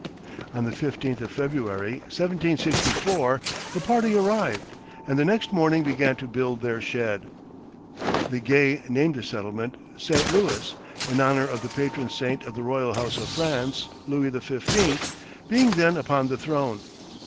On the fifteenth of February, 1764, the party arrived, and the next morning began to build their shed. Liguest named the settlement St. Louis, in honor of the patron saint of the royal house of France Louis XV. being then upon the throne.